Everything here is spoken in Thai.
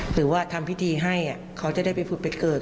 หรือว่าทำพิธีให้เขาจะได้ไปผุดไปเกิด